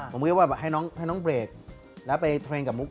ผมคิดว่าให้น้องเบรกแล้วไปเทรนด์กับมุก